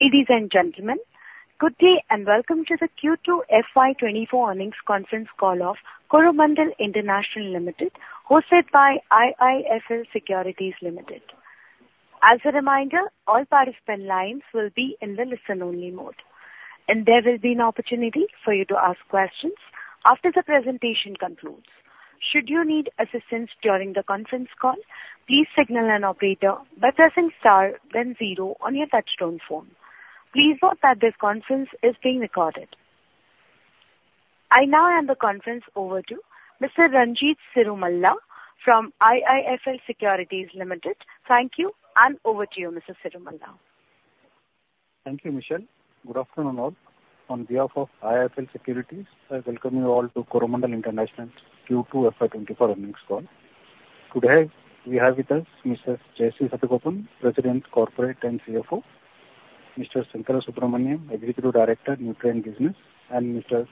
Ladies and gentlemen, good day, and welcome to the Q2 FY 2024 earnings conference call of Coromandel International Limited, hosted by IIFL Securities Limited. As a reminder, all participant lines will be in the listen-only mode, and there will be an opportunity for you to ask questions after the presentation concludes. Should you need assistance during the conference call, please signal an operator by pressing star then zero on your touchtone phone. Please note that this conference is being recorded. I now hand the conference over to Mr. Ranjit Cirumalla from IIFL Securities Limited. Thank you, and over to you, Mr. Cirumalla. Thank you, Michelle. Good afternoon all. On behalf of IIFL Securities, I welcome you all to Coromandel International's Q2 FY24 earnings call. Today, we have with us Mrs. Jayashree Satagopan, President Corporate and CFO, Mr. Sankarasubramanian S, Executive Director, Nutrient Business, and Mr.,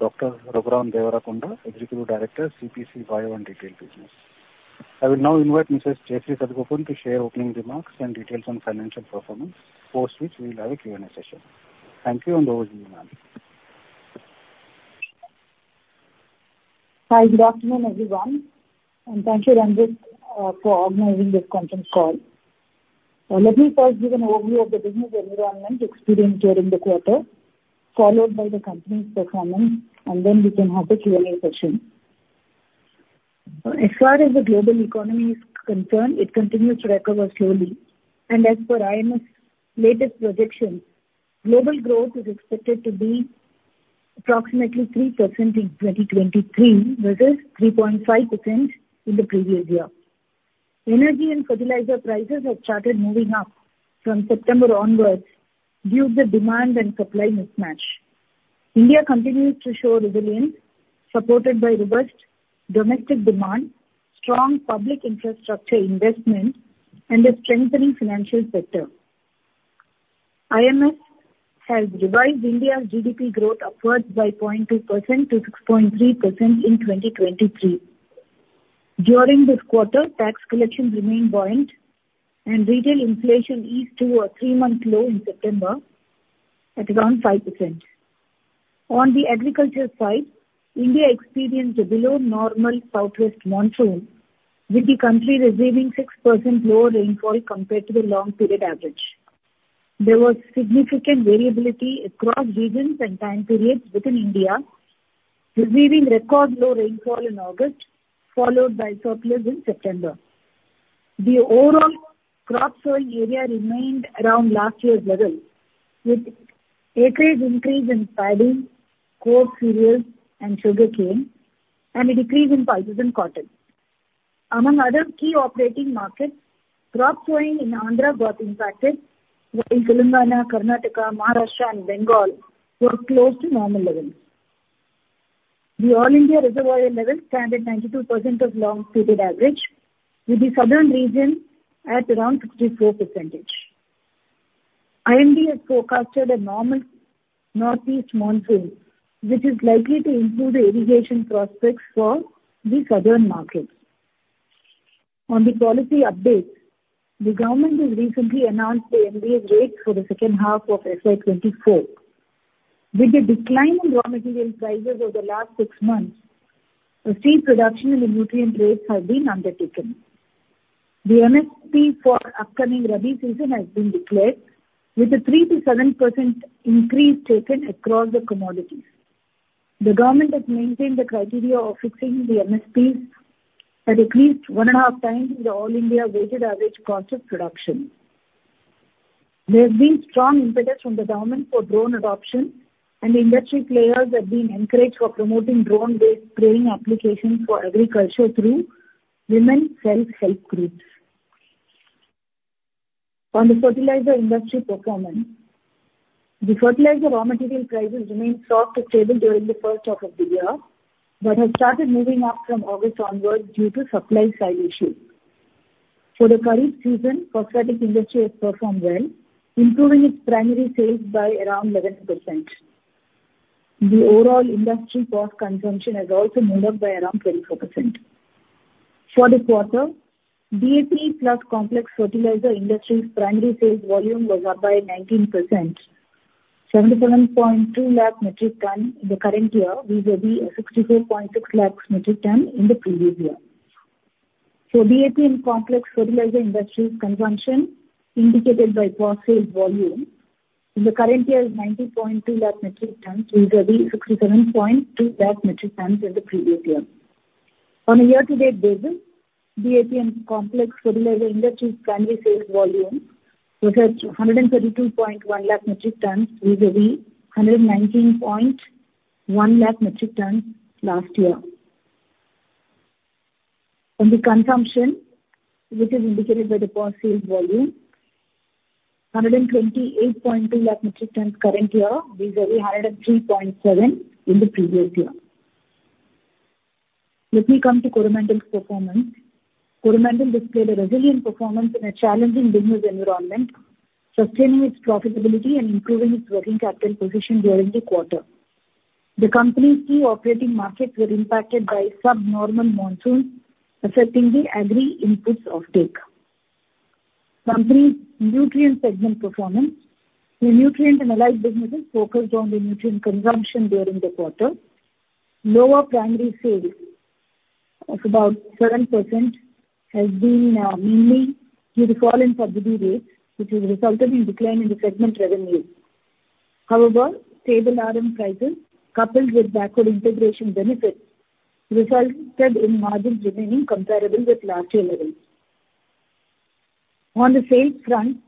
Dr. Raghuram Devarakonda, Executive Director, CPC Bio and Retail Business. I will now invite Mrs. Jayashree Satagopan to share opening remarks and details on financial performance, post which we will have a Q&A session. Thank you, and over to you, ma'am. Hi, good afternoon, everyone, and thank you, Ranjit, for organizing this conference call. Let me first give an overview of the business environment experienced during the quarter, followed by the company's performance, and then we can have a Q&A session. As far as the global economy is concerned, it continues to recover slowly, and as per IMF's latest projection, global growth is expected to be approximately 3% in 2023, versus 3.5% in the previous year. Energy and fertilizer prices have started moving up from September onwards due to demand and supply mismatch. India continues to show resilience, supported by robust domestic demand, strong public infrastructure investment, and a strengthening financial sector. IMF has revised India's GDP growth upwards by 0.2% to 6.3% in 2023. During this quarter, tax collections remained buoyant, and retail inflation eased to a three-month low in September at around 5%. On the agriculture side, India experienced a below normal southwest monsoon, with the country receiving 6% lower rainfall compared to the long period average. There was significant variability across regions and time periods within India, receiving record low rainfall in August, followed by surplus in September. The overall crop sowing area remained around last year's level, with acreage increase in paddy, coarse cereals, and sugarcane, and a decrease in pulses and cotton. Among other key operating markets, crop sowing in Andhra got impacted, while Telangana, Karnataka, Maharashtra, and Bengal were close to normal levels. The all India reservoir levels stand at 92% of long period average, with the southern region at around 64%. IMD has forecasted a normal northeast monsoon, which is likely to improve the irrigation prospects for the southern markets. On the policy update, the government has recently announced the NBS rates for the second half of FY 2024. With a decline in raw material prices over the last six months, a revision in the seed production and the nutrient rates have been undertaken. The MSP for upcoming Rabi season has been declared with a 3%-7% increase taken across the commodities. The government has maintained the criteria of fixing the MSPs at least 1.5x the all-India weighted average cost of production. There have been strong impetus from the government for drone adoption, and industry players have been encouraged for promoting drone-based spraying applications for agriculture through women self-help groups. On the fertilizer industry performance, the fertilizer raw material prices remained soft to stable during the first half of the year, but have started moving up from August onwards due to supply side issues. For the current season, phosphate industry has performed well, improving its primary sales by around 11%. The overall industry phosphate consumption has also moved up by around 24%. For this quarter, DAP plus complex fertilizer industry's primary sales volume was up by 19%, 77.2 lakh metric tons in the current year, vis-à-vis 64.6 lakh metric tons in the previous year. So DAP and complex fertilizer industry's consumption, indicated by phosphate volume, in the current year is 90.2 lakh metric tons, vis-à-vis 67.2 lakh metric tons in the previous year. On a year-to-date basis, DAP and complex fertilizer industry's primary sales volume was at 132.1 lakh metric tons, vis-à-vis 119.1 lakh metric tons last year. The consumption, which is indicated by the phosphate volume, 128.2 lakh metric tons current year, vis-à-vis 103.7 lakh metric tons in the previous year. Let me come to Coromandel's performance. Coromandel displayed a resilient performance in a challenging business environment, sustaining its profitability and improving its working capital position during the quarter. The company's key operating markets were impacted by subnormal monsoon, affecting the agri inputs offtake. Company's nutrient segment performance. The nutrient and allied businesses focused on the nutrient consumption during the quarter. Lower primary sales of about 7% has been mainly due to fall in subsidy rates, which has resulted in decline in the segment revenue. However, stable RM prices, coupled with backward integration benefits, resulted in margins remaining comparable with last year levels. On the sales front,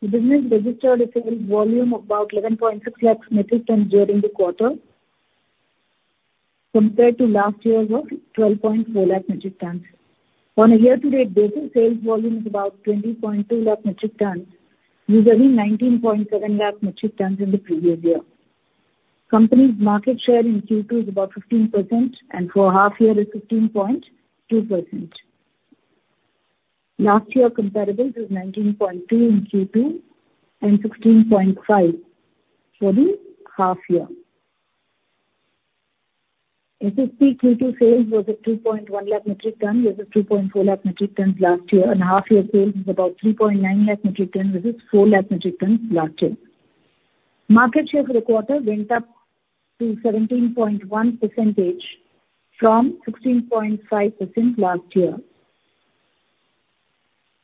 the business registered a sales volume of about 11.6 lakh metric tons during the quarter, compared to last year's of 12.4 lakh metric tons. On a year-to-date basis, sales volume is about 20.2 lakh metric tons, vis-à-vis 19.7 lakh metric tons in the previous year. Company's market share in Q2 is about 15%, and for half year is 15.2%. Last year comparable was 19.2% in Q2 and 16.5% for the half year. SSP Q2 sales was at 2.1 lakh metric ton, versus 2.4 lakh metric tons last year, and half year sales is about 3.9 lakh metric tons, versus 4 lakh metric tons last year. Market share for the quarter went up to 17.1% from 16.5% last year.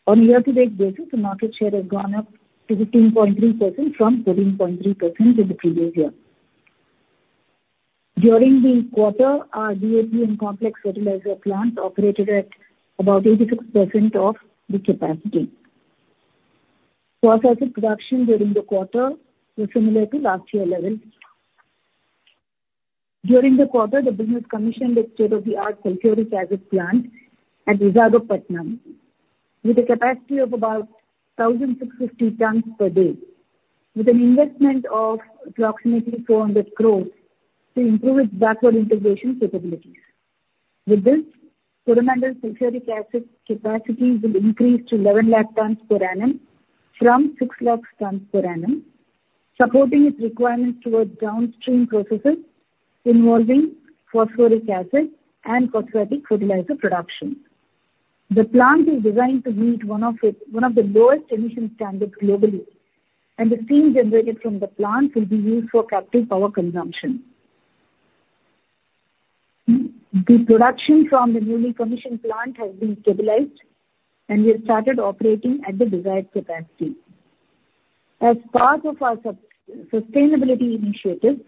On year-to-date basis, the market share has gone up to 15.3% from 13.3% in the previous year. During the quarter, our DAP and complex fertilizer plants operated at about 86% of the capacity. Phosphoric production during the quarter was similar to last year levels. During the quarter, the business commissioned a state-of-the-art sulfuric acid plant at Visakhapatnam, with a capacity of about 1,650 tons per day, with an investment of approximately 400 crore to improve its backward integration capabilities. With this, Coromandel sulfuric acid capacity will increase to 1,100,000 tons per annum from 600,000 tons per annum, supporting its requirements towards downstream processes involving phosphoric acid and phosphatic fertilizer production. The plant is designed to meet one of the lowest emission standards globally, and the steam generated from the plant will be used for captive power consumption. The production from the newly commissioned plant has been stabilized, and we have started operating at the desired capacity. As part of our sustainability initiatives,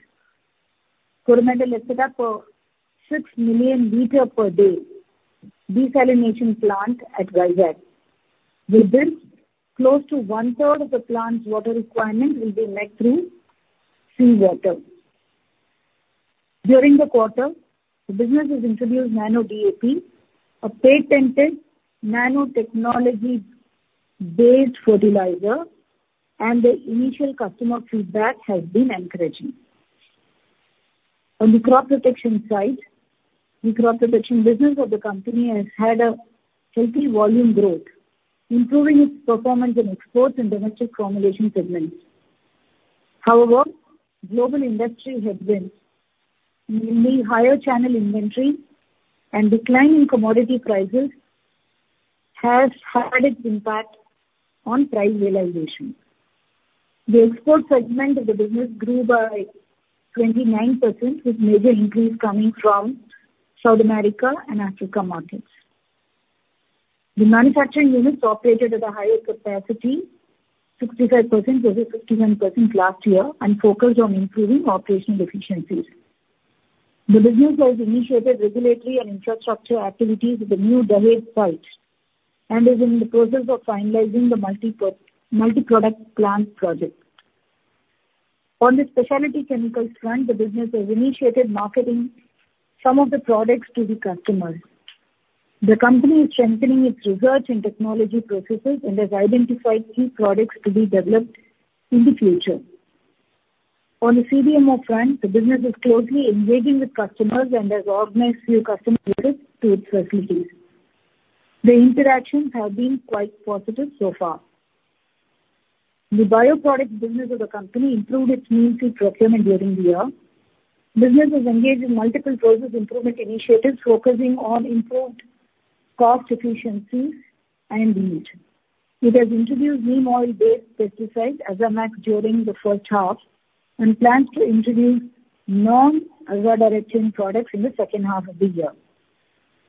Coromandel set up a 6 million liter per day desalination plant at Vizag. With this, close to 1/3 of the plant's water requirement will be met through seawater. During the quarter, the business has introduced Nano DAP, a patented nanotechnology-based fertilizer, and the initial customer feedback has been encouraging. On the crop protection side, the crop protection business of the company has had a healthy volume growth, improving its performance in exports and domestic formulation segments. However, global industry headwinds, mainly higher channel inventory and decline in commodity prices, has had its impact on price realization. The export segment of the business grew by 29%, with major increase coming from South America and Africa markets. The manufacturing units operated at a higher capacity, 65% versus 51% last year, and focused on improving operational efficiencies. The business has initiated regulatory and infrastructure activities at the new Dahej site and is in the process of finalizing the multi-product plant project. On the specialty chemicals front, the business has initiated marketing some of the products to the customers. The company is strengthening its research and technology processes and has identified key products to be developed in the future. On the CDMO front, the business is closely engaging with customers and has organized few customer visits to its facilities. The interactions have been quite positive so far. The bioproduct business of the company improved its neem seed procurement during the year. Business was engaged in multiple process improvement initiatives, focusing on improved cost efficiencies and yield. It has introduced neem oil-based pesticide Azamax during the first half and plans to introduce non-Azadirachtin products in the second half of the year.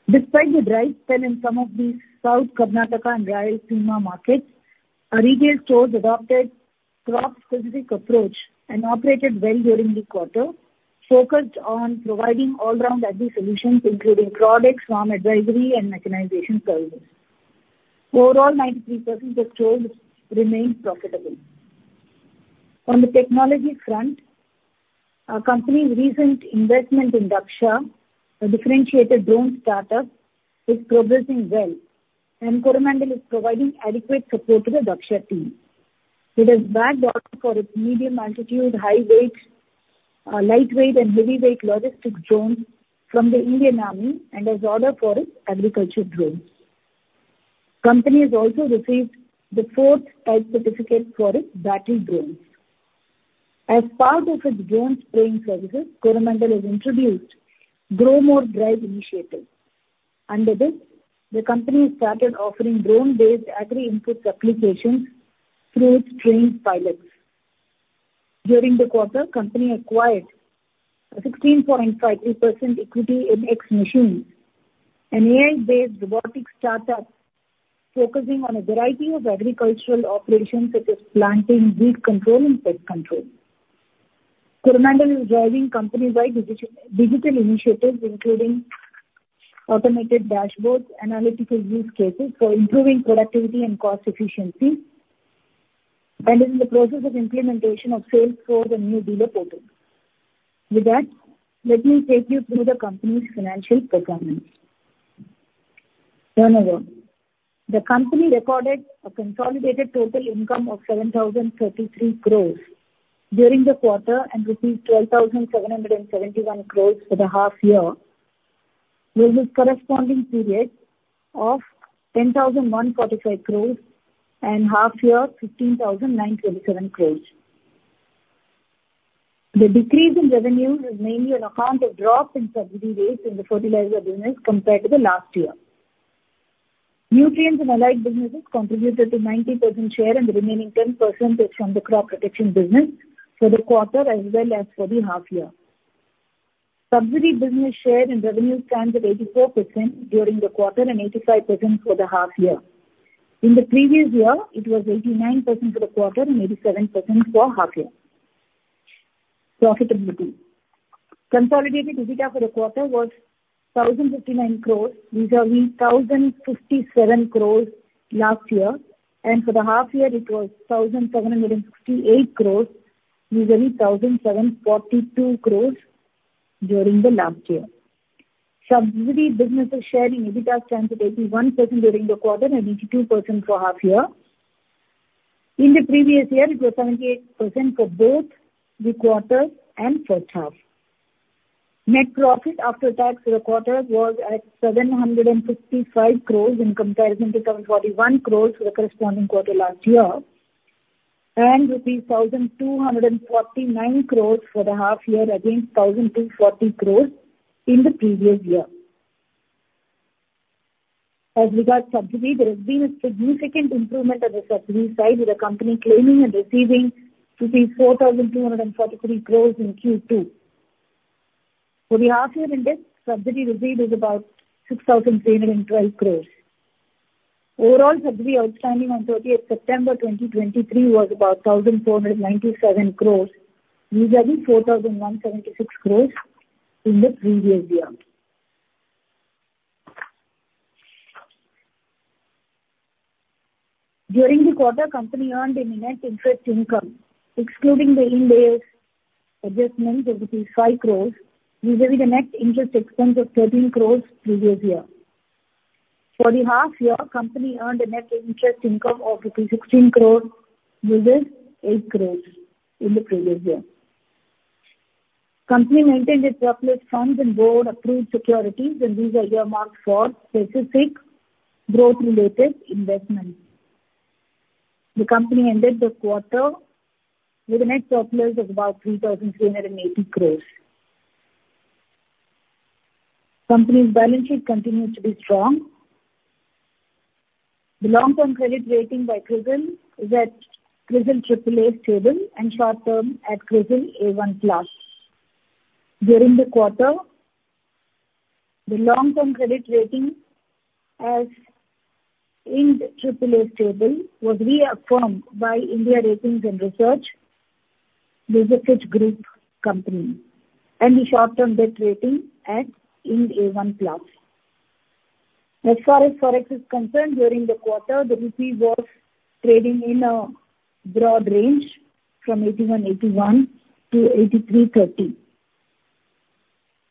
Despite the dry spell in some of the South Karnataka and Rayalaseema markets, our retail stores adopted crop-specific approach and operated well during the quarter, focused on providing all-round agri solutions, including products, farm advisory, and mechanization services. Overall, 93% of stores remained profitable. On the technology front, our company's recent investment in Dhaksha, a differentiated drone startup, is progressing well, and Coromandel is providing adequate support to the Dhaksha team. It has bagged orders for its medium altitude, light weight, lightweight and heavyweight logistic drones from the Indian Army, and has order for its agriculture drones. Company has also received the fourth type certificate for its battery drones. As part of its drone spraying services, Coromandel has introduced Gromor Drive initiative. Under this, the company started offering drone-based agri-input applications through its trained pilots. During the quarter, company acquired a 16.53% equity in XMachines, an AI-based robotic startup focusing on a variety of agricultural operations, such as planting, weed control, and pest control. Coromandel is driving company-wide digital initiatives, including automated dashboards, analytical use cases for improving productivity and cost efficiency, and is in the process of implementation of Salesforce and new dealer portal. With that, let me take you through the company's financial performance. Turnover: The company recorded a consolidated total income of 7,033 crore during the quarter, and received rupees 12,771 crore for the half year, with the corresponding period of 10,145 crore and half year, 15,927 crore. The decrease in revenue is mainly on account of drop in subsidy rates in the fertilizer business compared to the last year. Nutrients and allied businesses contributed to 90% share, and the remaining 10% is from the crop protection business for the quarter, as well as for the half year. Subsidy business share in revenue stands at 84% during the quarter and 85% for the half year. In the previous year, it was 89% for the quarter and 87% for half year. Profitability. Consolidated EBITDA for the quarter was 1,059 crore, vis-a-vis 1,057 crore last year, and for the half year, it was 1,768 crore, vis-a-vis 1,742 crore during the last year. Subsidy businesses share in EBITDA stands at 81% during the quarter and 82% for half year. In the previous year, it was 78% for both the quarter and first half. Net profit after tax for the quarter was at 755 crore, in comparison to 741 crore for the corresponding quarter last year, and rupees 1,249 crore for the half year, against 1,240 crore in the previous year. As regards subsidy, there has been a significant improvement on the subsidy side, with the company claiming and receiving 4,243 crore in Q2. For the half year in this, subsidy received is about 6,312 crore. Overall, subsidy outstanding on 30th September 2023 was about 1,497 crore, vis-a-vis 4,176 crore in the previous year. During the quarter, company earned a net interest income, excluding the Ind AS adjustment of 5 crore, vis-a-vis the net interest expense of 13 crore previous year. For the half year, company earned a net interest income of rupees 16 crore, vis-a-vis 8 crore in the previous year. Company maintained its surplus funds in board-approved securities, and these are earmarked for specific growth-related investments. The company ended the quarter with a net surplus of about 3,380 crore. Company's balance sheet continues to be strong. The long-term credit rating by CRISIL is at CRISIL AAA stable and short-term at CRISIL A1+. During the quarter, the long-term credit rating, as in the AAA stable, was reaffirmed by India Ratings and Research, the Fitch Group company, and the short-term debt rating at IND A1+. As far as Forex is concerned, during the quarter, the rupee was trading in a broad range from 81.81 to 83.30.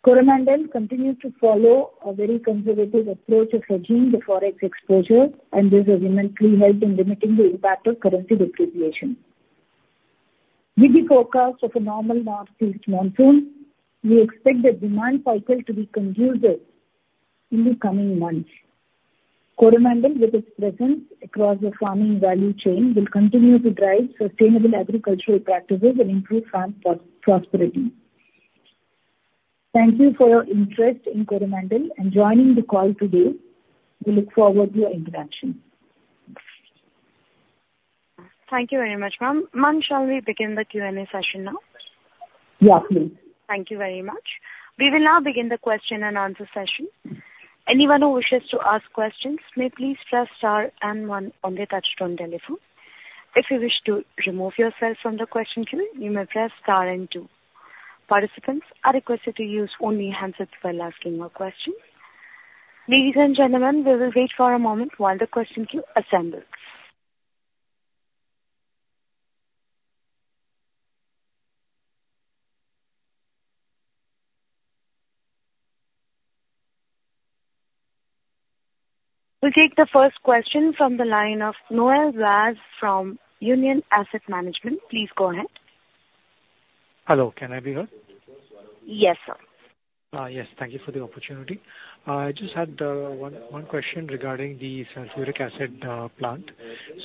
Coromandel continues to follow a very conservative approach of hedging the Forex exposure, and this has immensely helped in limiting the impact of currency depreciation. With the forecast of a normal Northeast monsoon, we expect the demand cycle to be conducive in the coming months. Coromandel, with its presence across the farming value chain, will continue to drive sustainable agricultural practices and improve farm prosperity. Thank you for your interest in Coromandel and joining the call today. We look forward to your interaction. Thank you very much, ma'am. Ma'am, shall we begin the Q&A session now? Yeah, please. Thank you very much. We will now begin the question and answer session. Anyone who wishes to ask questions may please press star and one on their touchtone telephone. If you wish to remove yourself from the question queue, you may press star and two. Participants are requested to use only handsets while asking your questions. Ladies and gentlemen, we will wait for a moment while the question queue assembles. We'll take the first question from the line of Noel Vaz from Union Asset Management. Please go ahead. Hello, can I be heard? Yes, sir. Yes, thank you for the opportunity. I just had one, one question regarding the sulfuric acid plant.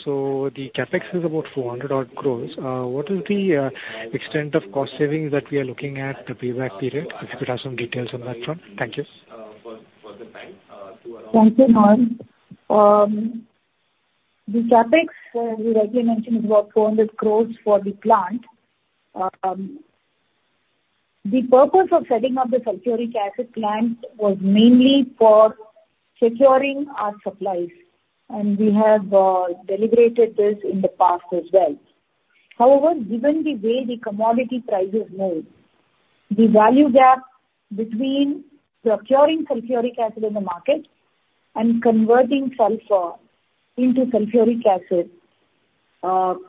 So the CapEx is about 400 crore. What is the extent of cost savings that we are looking at the payback period? If you could have some details on that front. Thank you. Thank you, Noel. The CapEx, we already mentioned, is about 400 crore for the plant. The purpose of setting up the sulfuric acid plant was mainly for securing our supplies, and we have deliberated this in the past as well. However, given the way the commodity prices move, the value gap between procuring sulfuric acid in the market and converting sulfur into sulfuric acid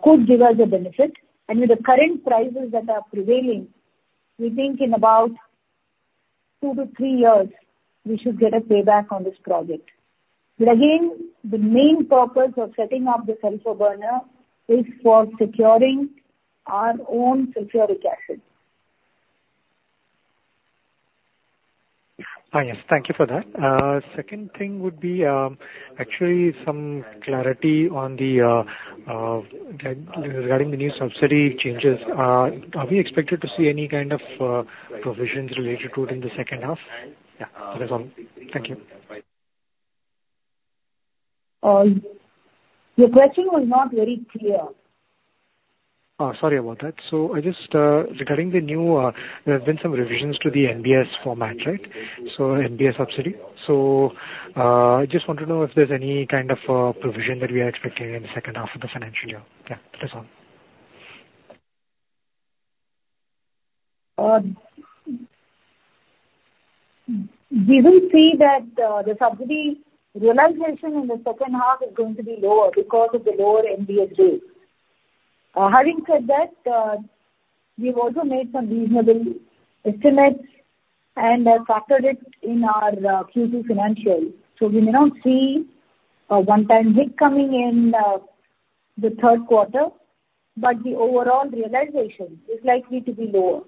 could give us a benefit. And with the current prices that are prevailing, we think in about 2-3 years, we should get a payback on this project. But again, the main purpose of setting up the sulfur burner is for securing our own sulfuric acid. Yes. Thank you for that. Second thing would be, actually some clarity on the, regarding the, new subsidy changes. Are we expected to see any kind of provisions related to it in the second half? Yeah, that is all. Thank you. Your question was not very clear. Oh, sorry about that. So I just, regarding the new, there have been some revisions to the NBS format, right? So, NBS subsidy. So, I just want to know if there's any kind of, provision that we are expecting in the second half of the financial year. Yeah, that is all. We will see that the subsidy realization in the second half is going to be lower because of the lower NBS rates. Having said that, we've also made some reasonable estimates and have factored it in our Q2 financials. So we may not see a one-time hit coming in the third quarter, but the overall realization is likely to be lower.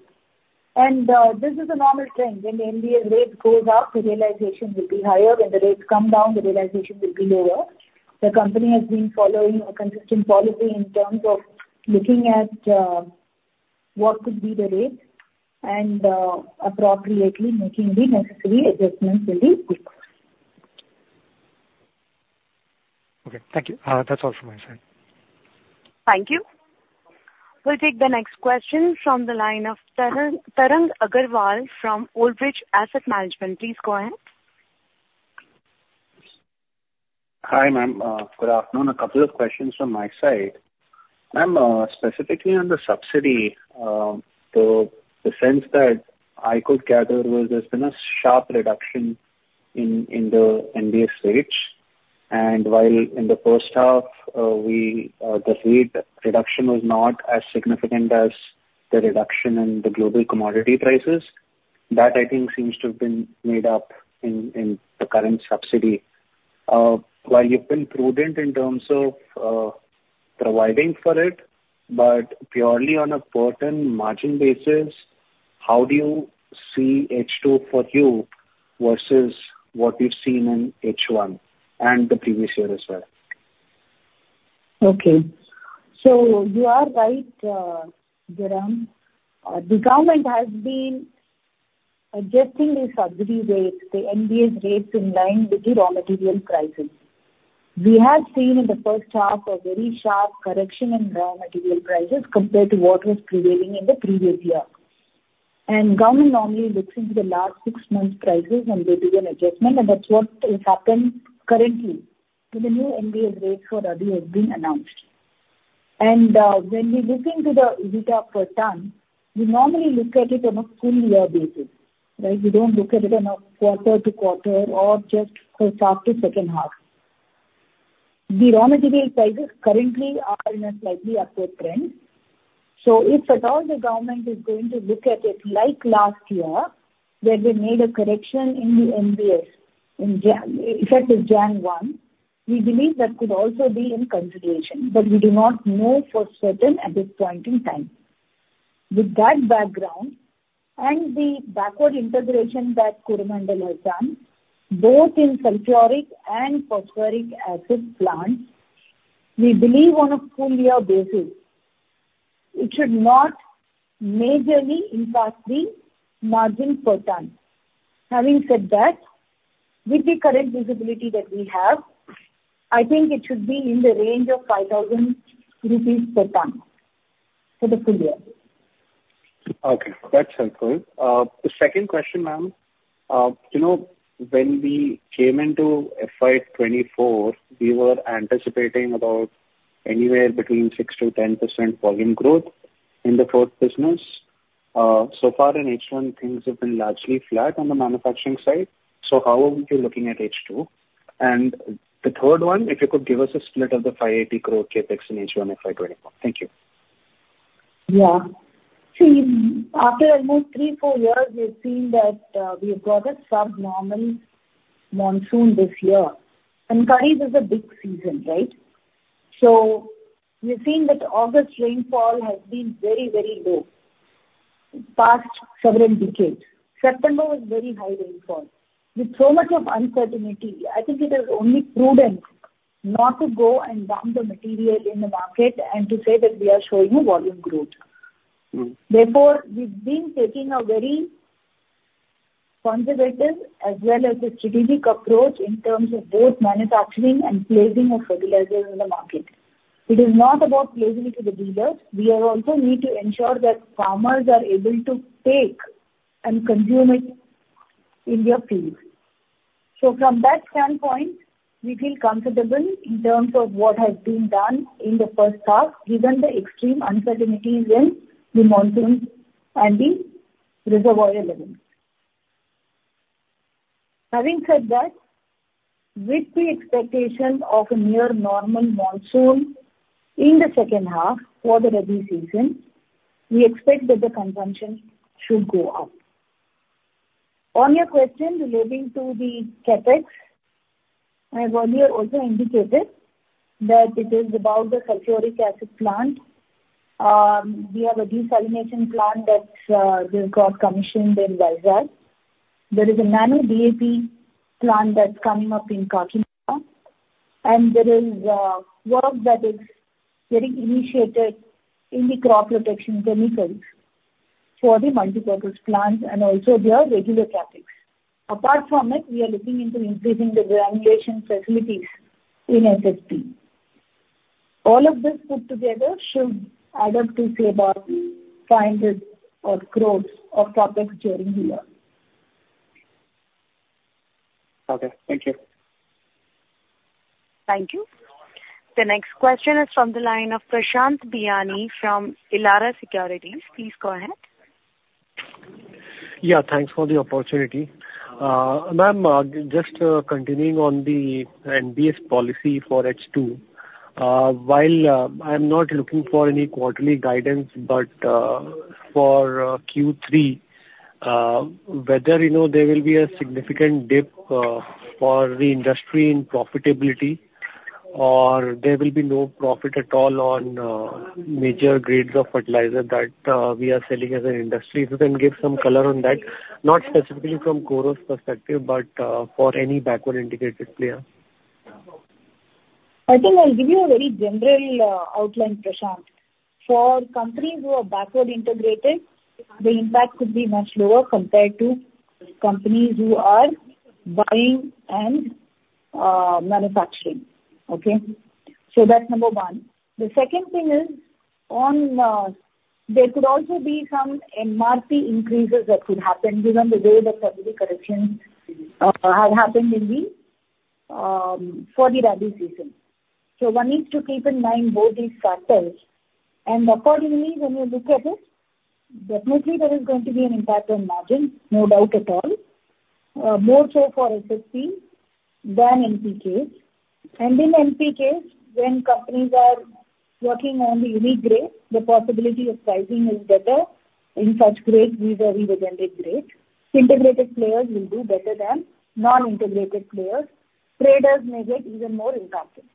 This is a normal trend. When the NBS rates goes up, the realization will be higher. When the rates come down, the realization will be lower. The company has been following a consistent policy in terms of looking at what could be the rate and appropriately making the necessary adjustments will be quick. Okay, thank you. That's all from my side. Thank you. We'll take the next question from the line of Tarang, Tarang Agrawal from Old Bridge Asset Management. Please go ahead. Hi, ma'am. Good afternoon. A couple of questions from my side. Ma'am, specifically on the subsidy, the sense that I could gather was there's been a sharp reduction in the NBS rates. And while in the first half, the rate reduction was not as significant as the reduction in the global commodity prices, that I think seems to have been made up in the current subsidy. While you've been prudent in terms of providing for it, but purely on a per ton margin basis, how do you see H2 period versus what you've seen in H1 and the previous year as well? Okay. So you are right, Tarang. The government has been adjusting the subsidy rates, the NBS rates, in line with the raw material prices. We have seen in the first half a very sharp correction in raw material prices compared to what was prevailing in the previous year. Government normally looks into the last six months prices, and they do an adjustment, and that's what has happened currently. So the new NBS rates for Rabi has been announced. When we look into the EBITDA per ton, we normally look at it on a full year basis, right? We don't look at it on a quarter to quarter or just first half to second half. The raw material prices currently are in a slightly upward trend. So if at all the government is going to look at it like last year, where they made a correction in the NBS in January, effective January 1, we believe that could also be in consideration, but we do not know for certain at this point in time. With that background, and the backward integration that Coromandel has done, both in sulfuric and phosphoric acid plants, we believe on a full year basis, it should not majorly impact the margin per ton. Having said that, with the current visibility that we have, I think it should be in the range of 5,000 rupees per ton for the full year. Okay, that's helpful. The second question, ma'am, you know, when we came into FY 2024, we were anticipating about anywhere between 6%-10% volume growth in the crop business. So far in H1, things have been largely flat on the manufacturing side. So how are we looking at H2? And the third one, if you could give us a split of the 580 crore CapEx in H1 FY 2024. Thank you. Yeah. See, after almost three, four years, we've seen that we have got a subnormal monsoon this year. And Kharif is a big season, right? So we've seen that August rainfall has been very, very low in past several decades. September was very high rainfall. With so much of uncertainty, I think it is only prudent not to go and dump the material in the market and to say that we are showing a volume growth. Mm. Therefore, we've been taking a very conservative as well as a strategic approach in terms of both manufacturing and placing of fertilizers in the market. It is not about placing it to the dealers, we also need to ensure that farmers are able to take and consume it in their fields. So from that standpoint, we feel comfortable in terms of what has been done in the first half, given the extreme uncertainties in the monsoons and the reservoir levels. Having said that, with the expectations of a near normal monsoon in the second half for the Rabi season, we expect that the consumption should go up. On your question relating to the CapEx, I have earlier also indicated that it is about the sulfuric acid plant. We have a desalination plant that has got commissioned in Vizag. There is a Nano DAP plant that's coming up in Kakinada, and there is work that is getting initiated in the crop protection chemicals for the multipurpose plants and also their regular CapEx. Apart from it, we are looking into increasing the granulation facilities in SSP. All of this put together should add up to say about INR 500 crores of CapEx during the year. Okay, thank you. Thank you. The next question is from the line of Prashant Biyani from Elara Securities. Please go ahead. Yeah, thanks for the opportunity. Ma'am, just continuing on the NBS policy for H2, while I'm not looking for any quarterly guidance, but for Q3, whether you know, there will be a significant dip for the industry in profitability, or there will be no profit at all on major grades of fertilizer that we are selling as an industry. If you can give some color on that, not specifically from Coro's perspective, but for any backward integrated player. I think I'll give you a very general outline, Prashant. For companies who are backward integrated, the impact could be much lower compared to companies who are buying and manufacturing. Okay? So that's number one. The second thing is, there could also be some MRP increases that could happen given the way the fertilizer corrections have happened in the for the Rabi season. So one needs to keep in mind both these factors, and accordingly, when you look at it, definitely there is going to be an impact on margin, no doubt at all. More so for SSP than NPKs. And in NPKs, when companies are working on the unique grade, the possibility of pricing is better in such grades, these are the generic grades. Integrated players will do better than non-integrated players. Traders may get even more impacted.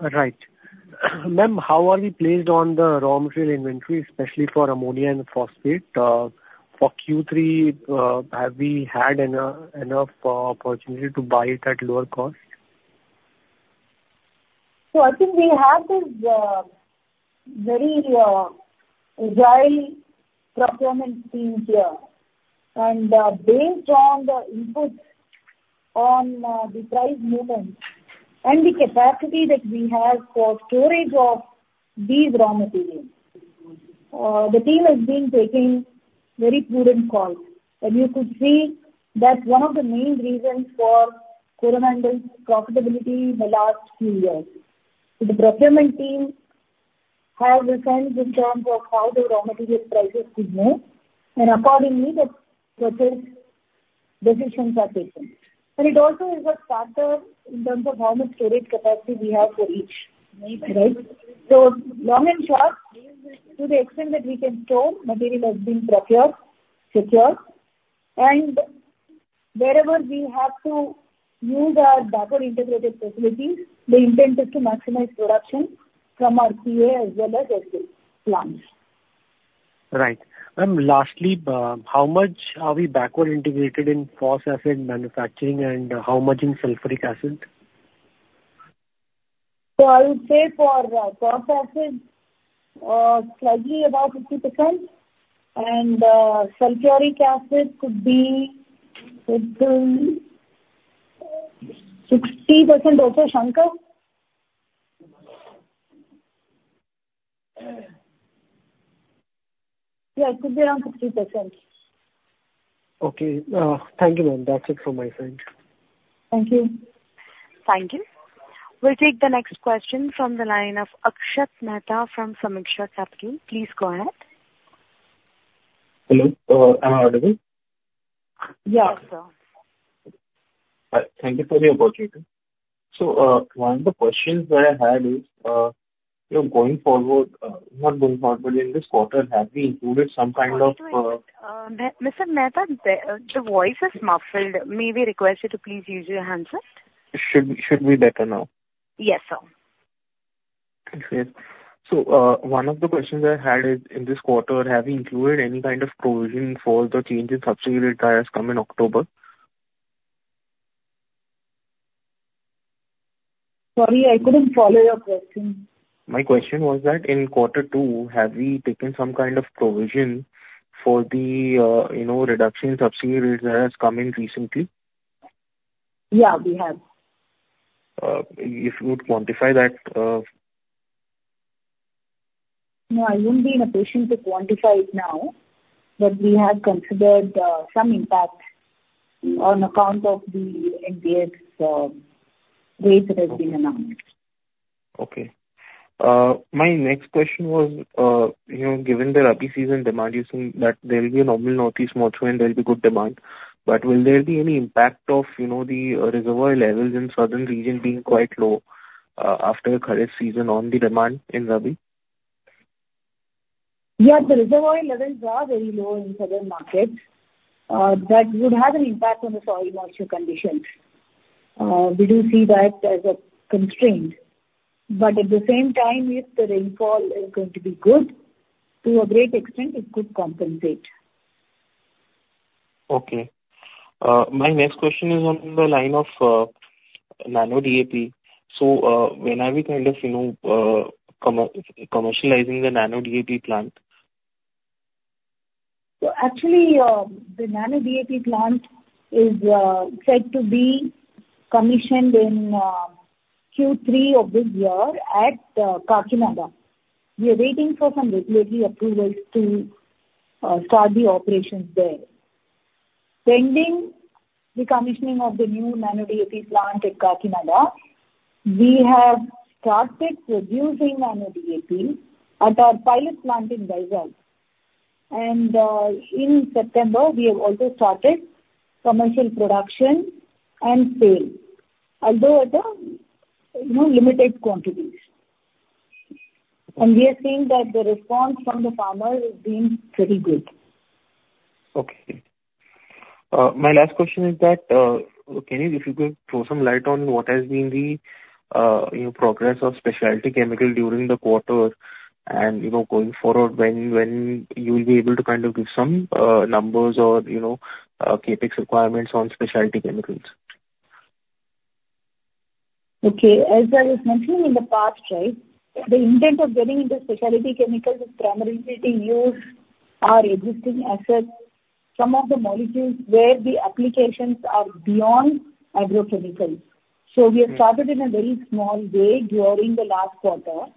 Right. Ma'am, how are we placed on the raw material inventory, especially for ammonia and phosphate? For Q3, have we had enough opportunity to buy it at lower cost? So I think we have this very agile procurement team here, and based on the inputs on the price movement and the capacity that we have for storage of these raw materials, the team has been taking very prudent calls. And you could see that's one of the main reasons for Coromandel's profitability in the last few years. So the procurement team have listened in terms of how the raw material prices could move, and accordingly, the purchase decisions are taken. And it also is a factor in terms of how much storage capacity we have for each, right? So long and short, to the extent that we can store, material has been procured, secured, and wherever we have to use our backward integrated facilities, the intent is to maximize production from our PA as well as SP plants. Right. Ma'am, lastly, how much are we backward integrated in phosphoric acid manufacturing and how much in sulfuric acid? So I would say for phos acid, slightly above 50%, and sulfuric acid could be within 60% or so, Sankar? Yeah. Yeah, it could be around 60%. Okay, thank you, ma'am. That's it from my side. Thank you. Thank you. We'll take the next question from the line of Akshat Mehta from Sameeksha Capital. Please go ahead. Hello, am I audible? Yeah. Yes, sir. Thank you for the opportunity. So, one of the questions that I had is... So going forward, not going forward, but in this quarter, have we included some kind of? Mr. Mehta, your voice is muffled. May we request you to please use your handset? Should be better now? Yes, sir. Okay. So, one of the questions I had is, in this quarter, have you included any kind of provision for the change in subsidy rates that has come in October? Sorry, I couldn't follow your question. My question was that, in quarter two, have we taken some kind of provision for the, you know, reduction in subsidy rate that has come in recently? Yeah, we have. If you would quantify that? No, I wouldn't be in a position to quantify it now, but we have considered some impact on account of the NBS rate that has been announced. Okay. My next question was, you know, given the Rabi season demand, you're seeing that there will be a normal northeast monsoon and there'll be good demand. But will there be any impact of, you know, the reservoir levels in southern region being quite low, after the kharif season on the demand in Rabi? Yeah, the reservoir levels are very low in southern markets. That would have an impact on the soil moisture conditions. We do see that as a constraint, but at the same time, if the rainfall is going to be good, to a great extent it could compensate. Okay. My next question is on the line of Nano DAP. So, when are we kind of, you know, commercializing the Nano DAP plant? So actually, the Nano DAP plant is said to be commissioned in Q3 of this year at Kakinada. We are waiting for some regulatory approvals to start the operations there. Pending the commissioning of the new Nano DAP plant at Kakinada, we have started producing Nano DAP at our pilot plant in Vizag. And in September, we have also started commercial production and sale, although at a, you know, limited quantities. And we are seeing that the response from the farmers is being very good. Okay. My last question is that, can you, if you could, throw some light on what has been the, you know, progress of specialty chemical during the quarter? And, you know, going forward, when, when you'll be able to kind of give some, numbers or, you know, CapEx requirements on specialty chemicals? Okay. As I was mentioning in the past, right, the intent of getting into specialty chemicals is primarily to use our existing assets, some of the molecules where the applications are beyond agrochemicals. Mm. We have started in a very small way during the last quarter,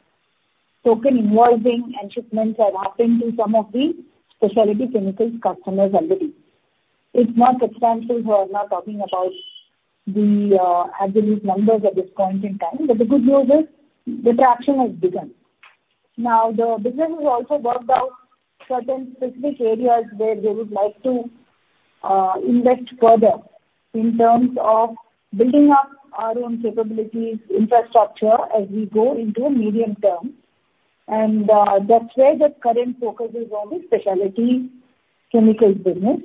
token invoicing and shipments are happening to some of the specialty chemicals customers already. It's not substantial, so I'm not talking about the absolute numbers at this point in time, but the good news is the traction has begun. Now, the business has also worked out certain specific areas where they would like to invest further in terms of building up our own capabilities, infrastructure, as we go into a medium term. That's where the current focus is on the specialty chemicals business.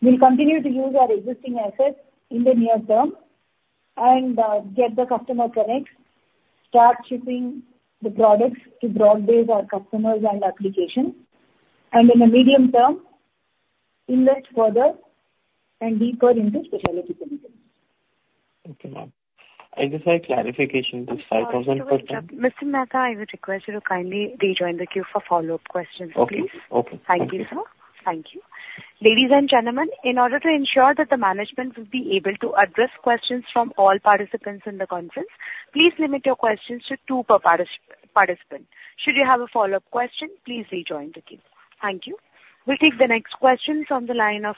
We'll continue to use our existing assets in the near term and get the customer connects, start shipping the products to broad base our customers and application. In the medium term, invest further and deeper into specialty chemicals. Okay, ma'am. I just had a clarification, this 5,000? Mr. Mehta, I would request you to kindly rejoin the queue for follow-up questions, please. Okay. Okay. Thank you, sir. Thank you. Ladies and gentlemen, in order to ensure that the management will be able to address questions from all participants in the conference, please limit your questions to two per participant. Should you have a follow-up question, please rejoin the queue. Thank you. We'll take the next question from the line of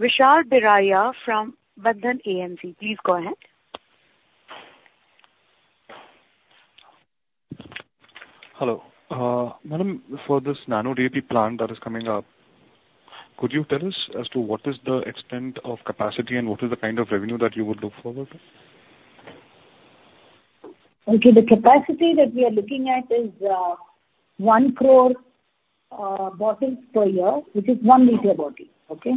Vishal Biraia from Bandhan AMC. Please go ahead. Hello. Madam, for this Nano DAP plant that is coming up, could you tell us as to what is the extent of capacity and what is the kind of revenue that you would look forward to? Okay. The capacity that we are looking at is 1 crore bottles per year, which is 1 liter bottle. Okay?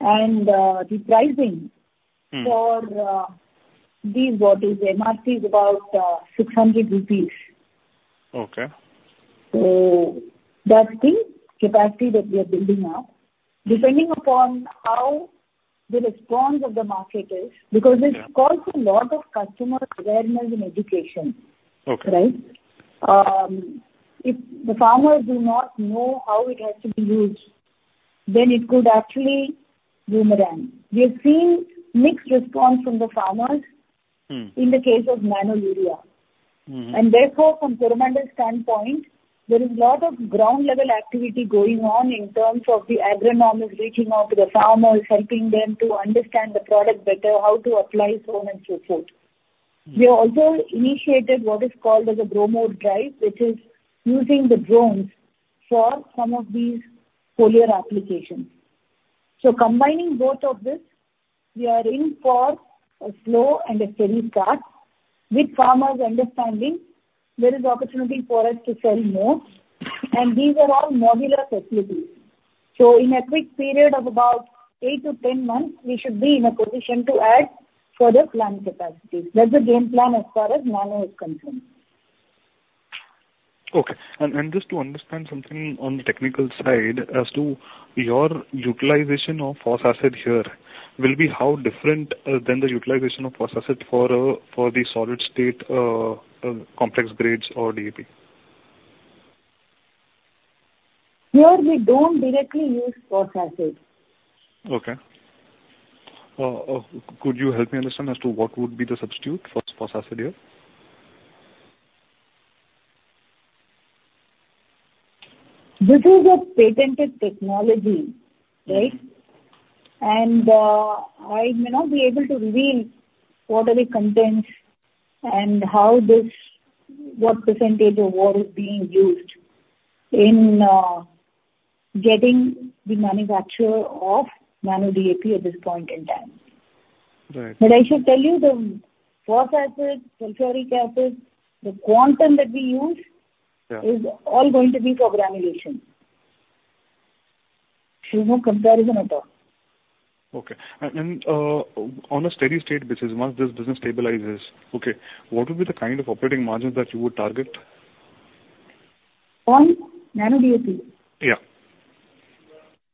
And the pricing. Mm. For these bottles, the MRP is about 600 rupees. Okay. So that's the capacity that we are building now. Depending upon how the response of the market is. Yeah. Because it requires a lot of customer awareness and education. Okay. Right? If the farmers do not know how it has to be used, then it could actually boomerang. We have seen mixed response from the farmers. Mm. In the case of nano urea. Mm. And therefore, from Coromandel's standpoint, there is a lot of ground-level activity going on in terms of the agronomists reaching out to the farmers, helping them to understand the product better, how to apply so on and so forth. Mm. We have also initiated what is called as a Gromor Drive, which is using the drones for some of these foliar applications. So combining both of this, we are in for a slow and a steady start. With farmers understanding, there is opportunity for us to sell more, and these are all modular facilities. So in a quick period of about 8-10 months, we should be in a position to add further plant capacity. That's the game plan as far as nano is concerned. Okay. And just to understand something on the technical side as to your utilization of phosphoric acid here, will be how different than the utilization of phosphoric acid for the solid state complex grades or DAP? Here, we don't directly use phosphoric acid. Okay. Could you help me understand as to what would be the substitute for phosphoric acid here? This is a patented technology, right? And, I may not be able to reveal what are the contents and how this, what percentage of what is being used in, getting the manufacture of Nano DAP at this point in time. Right. But I should tell you, the phosphoric acid, sulfuric acid, the quantum that we use. Yeah. Is all going to be for granulation. So, no comparison at all. Okay. On a steady state basis, once this business stabilizes, okay, what would be the kind of operating margins that you would target? On Nano DAP? Yeah.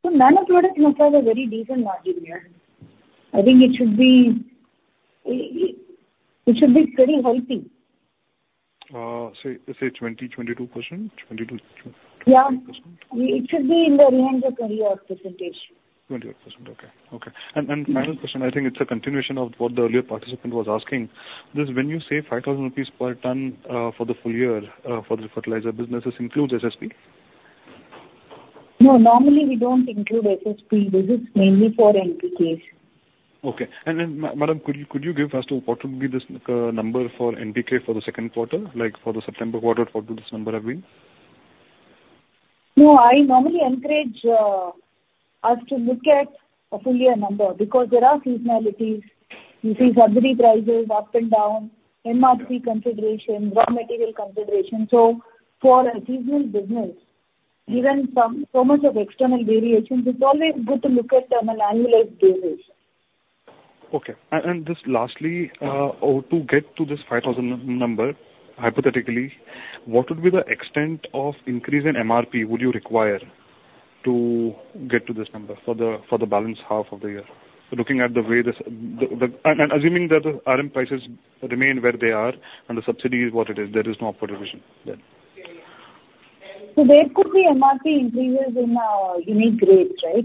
So Nano product has a very decent margin there. I think it should be pretty healthy. Is it 20%-22%? Yeah. 20%? It should be in the range of 20-odd%. 20-odd%. Okay, okay. And final question, I think it's a continuation of what the earlier participant was asking. This, when you say 5,000 rupees per ton for the full year for the fertilizer business, this includes SSP? No, normally we don't include SSP. This is mainly for NPKs. Okay. And then, madam, could you, could you give as to what would be this number for NPK for the second quarter? Like, for the September quarter, what would this number have been? No, I normally encourage us to look at a full year number, because there are seasonalities. You see subsidy prices up and down, MRP consideration, raw material consideration. So for a seasonal business, given so much of external variations, it's always good to look at them on an annualized basis. Okay. And just lastly, oh, to get to this 5,000 number, hypothetically, what would be the extent of increase in MRP would you require to get to this number for the balance half of the year? Looking at the way this. And assuming that the RM prices remain where they are and the subsidy is what it is, there is no upward revision there. So there could be MRP increases in unique grades, right?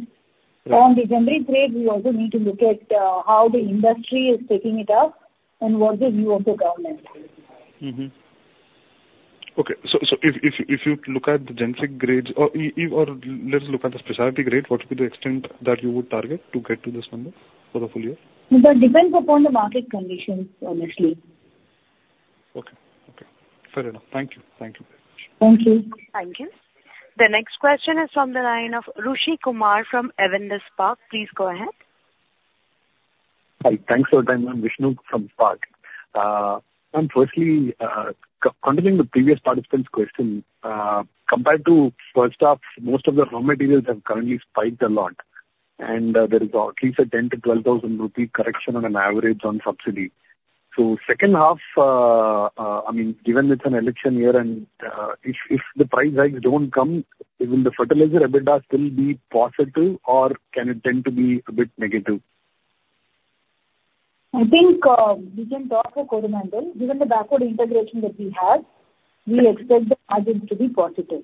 Right. On the generic grade, we also need to look at how the industry is taking it up and what the view of the government is. Mm-hmm. Okay. So if you look at the generic grades or e.g., or let's look at the specialty grade, what would be the extent that you would target to get to this number for the full year? That depends upon the market conditions, honestly. Okay. Okay. Fair enough. Thank you. Thank you very much. Thank you. Thank you. The next question is from the line of Vishnu Kumar from Avendus Spark. Please go ahead. Hi, thanks for your time. I'm Vishnu from Spark. And firstly, continuing the previous participant's question, compared to first half, most of the raw materials have currently spiked a lot, and there is at least an 10,000-12,000 rupee correction on an average on subsidy. So second half, I mean, given it's an election year and if the price hikes don't come, will the fertilizer EBITDA still be positive, or can it tend to be a bit negative? I think, we can talk for Coromandel. Given the backward integration that we have, we expect the margins to be positive.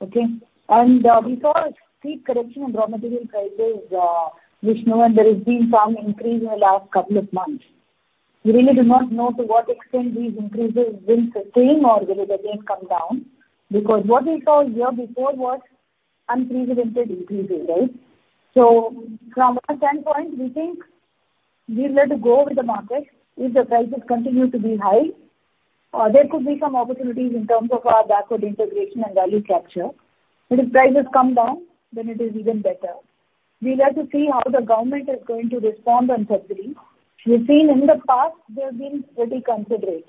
Okay? And, we saw a steep correction in raw material prices, Vishnu, and there has been some increase in the last couple of months. We really do not know to what extent these increases will sustain or will it again come down, because what we saw a year before was unprecedented increases, right? So from our standpoint, we think we'll let it go with the market if the prices continue to be high, there could be some opportunities in terms of our backward integration and value capture. But if prices come down, then it is even better. We'll have to see how the government is going to respond on subsidy. We've seen in the past, they've been pretty considerate.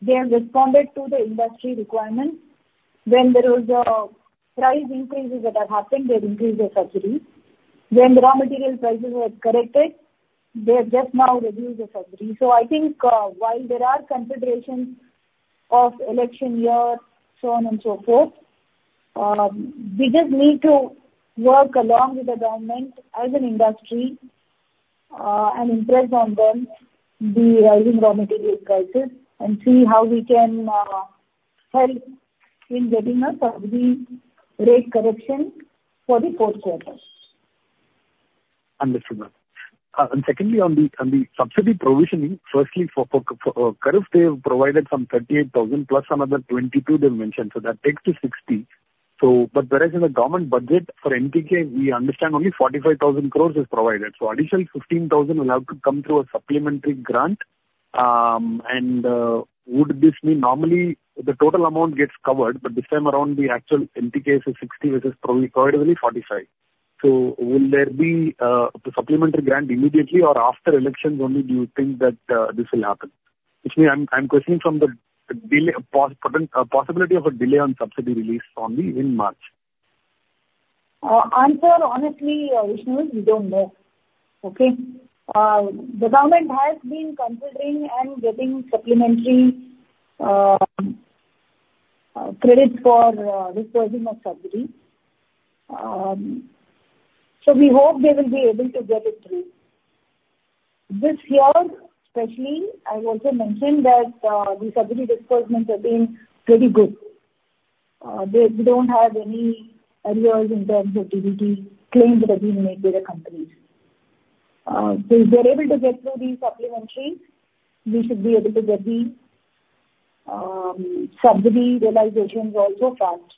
They have responded to the industry requirements. When there was price increases that are happening, they've increased the subsidy. When the raw material prices have corrected, they have just now reduced the subsidy. So I think, while there are considerations of election year, so on and so forth, we just need to work along with the government as an industry, and impress on them the rising raw material prices and see how we can help in getting a subsidy rate correction for the fourth quarter. Understood, ma'am. Secondly, on the subsidy provisioning, firstly, for kharif they have provided some 38,000 crore plus another 22,000 crore they've mentioned, so that takes it to 60,000 crore. Whereas in the government budget for NPK, we understand only 45,000 crore is provided, so an additional 15,000 crore will have to come through a supplementary grant. Would this mean normally the total amount gets covered, but this time around the actual NPK is 60,000 crore, which is probably, probably 45,000 crore. Will there be the supplementary grant immediately or after elections only do you think that this will happen? Which means, I'm questioning from the possibility of a delay on subsidy release only in March. Answer honestly, Vishnu, we don't know. Okay? The government has been considering and getting supplementary credits for disbursement of subsidy. So we hope they will be able to get it through. This year, especially, I also mentioned that the subsidy disbursements have been pretty good. We don't have any arrears in terms of DBT claims that have been made by the companies. So if they're able to get through these supplementaries, we should be able to get the subsidy realizations also fast.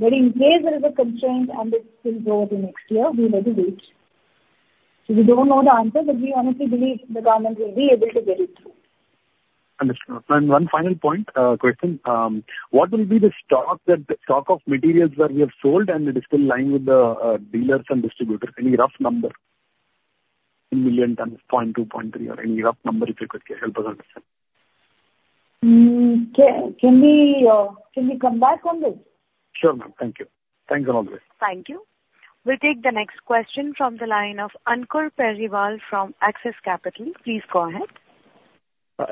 But in case there is a constraint and it will go to next year, we may be late. So we don't know the answer, but we honestly believe the government will be able to get it through. Understood. And one final point, question. What will be the stock that, the stock of materials that we have sold, and it is still lying with the dealers and distributors? Any rough number, in million tons, 0.2, 0.3, or any rough number, if you could help us understand. Can we come back on this? Sure, ma'am. Thank you. Thanks a lot. Thank you. We'll take the next question from the line of Ankur Periwal from Axis Capital. Please go ahead.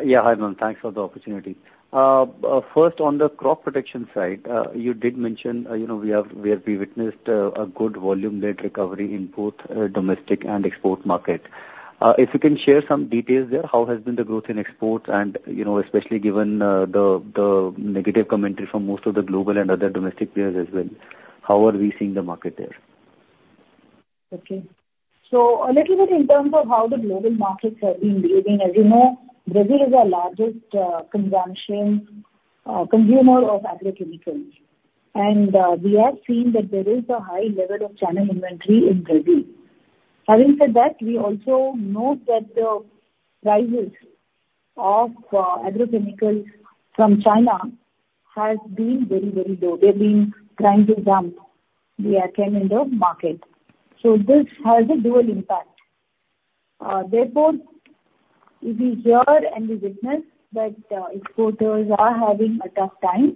Yeah, hi, ma'am. Thanks for the opportunity. First, on the crop protection side, you did mention, you know, we have, we have witnessed a good volume-led recovery in both, domestic and export market. If you can share some details there, how has been the growth in exports and, you know, especially given, the negative commentary from most of the global and other domestic players as well, how are we seeing the market there? Okay. So a little bit in terms of how the global markets have been behaving. As you know, Brazil is our largest consumer of agrochemicals. And we have seen that there is a high level of channel inventory in Brazil. Having said that, we also note that the prices of agrochemicals from China has been very, very low. They've been trying to dump the chemical in the market, so this has a dual impact. Therefore, if we hear and we witness that exporters are having a tough time,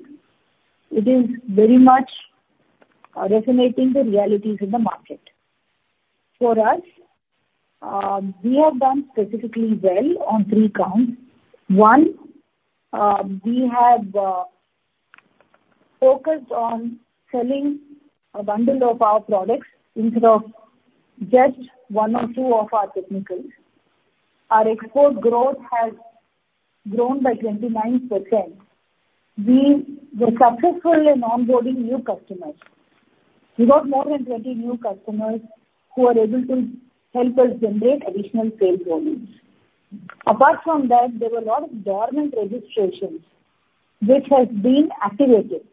it is very much resonating the realities in the market. For us, we have done specifically well on three counts. One, we have focused on selling a bundle of our products instead of just one or two of our technicals. Our export growth has grown by 29%. We were successful in onboarding new customers. We got more than 20 new customers who are able to help us generate additional sales volumes. Apart from that, there were a lot of dormant registrations which have been activated.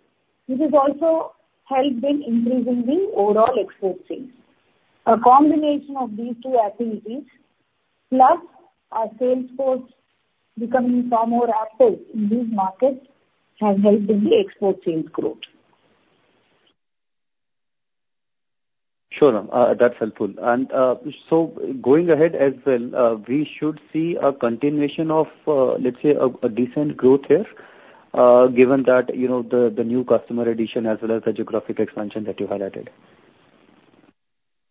This has also helped in increasing the overall export sales. A combination of these two activities, plus our sales force becoming far more active in these markets, has helped in the export sales growth. Sure, ma'am. That's helpful. And, so going ahead as well, we should see a continuation of, let's say, a decent growth here, given that, you know, the new customer addition as well as the geographic expansion that you highlighted?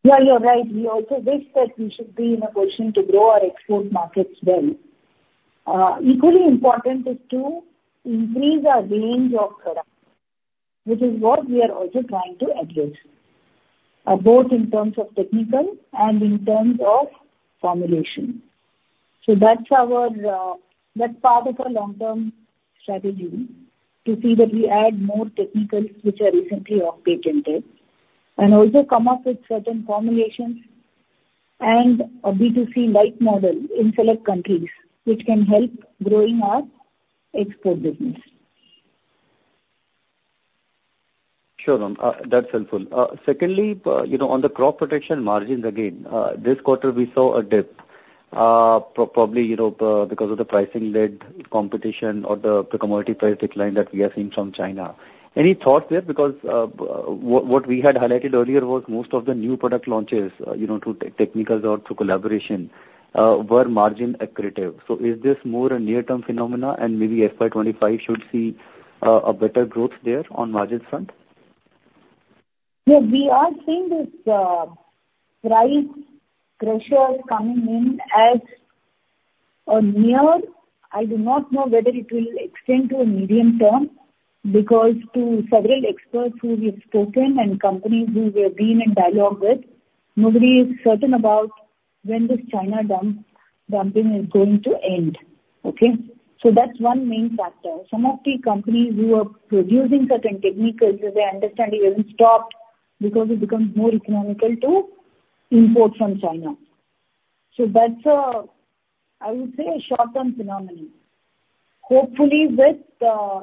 Yeah, you're right. We also wish that we should be in a position to grow our export markets well. Equally important is to increase our range of products, which is what we are also trying to address, both in terms of technical and in terms of formulation. So that's our, that's part of our long-term strategy, to see that we add more technicals, which are recently off-patented, and also come up with certain formulations and a B2C light model in select countries, which can help growing our export business. Sure, ma'am. That's helpful. Secondly, you know, on the crop protection margins again, this quarter we saw a dip. Probably, you know, because of the pricing-led competition or the commodity price decline that we are seeing from China. Any thoughts there? Because, what we had highlighted earlier was most of the new product launches, you know, through technicals or through collaboration, were margin accretive. So is this more a near-term phenomena and maybe FY 2025 should see a better growth there on margins front? Yeah, we are seeing this price pressures coming in as a near... I do not know whether it will extend to a medium-term, because to several experts who we've spoken and companies who we have been in dialogue with, nobody is certain about when this China dumping is going to end. Okay? So that's one main factor. Some of the companies who are producing certain technical, as I understand, they have stopped because it becomes more economical to import from China. So that's, a, I would say, a short-term phenomenon. Hopefully, with